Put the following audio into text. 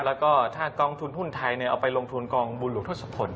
แล้วก็ถ้ากองทุนหุ้นไทยเอาไปลงทุนกองบุญหลวงทศพล